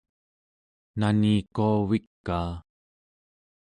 nanikuavikaa